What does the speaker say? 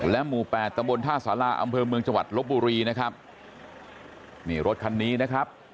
หมู่แปดตำบลท่าสาราอำเภอเมืองจังหวัดลบบุรีนะครับนี่รถคันนี้นะครับ